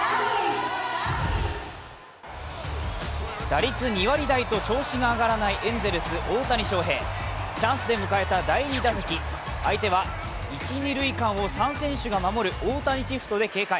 打率２割台と調子が上がらないエンゼルス・大谷翔平、チャンスで迎えた第２打席、相手は１・２塁間を３選手が守る大谷シフトで警戒。